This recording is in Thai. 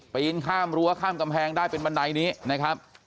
ปีนข้ามรั้วข้ามกำแพงได้เป็นบันไดนี้นะครับ